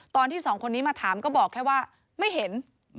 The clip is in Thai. ตอนที่สองคนนี้มาถามก็บอกแค่ว่าไม่เห็น